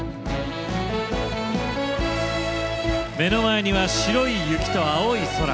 目の前には、白い雪と青い空。